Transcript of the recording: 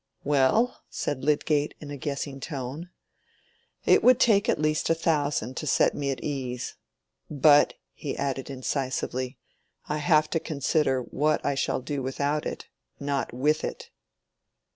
"Well," said Lydgate in a guessing tone, "it would take at least a thousand to set me at ease. But," he added, incisively, "I have to consider what I shall do without it, not with it."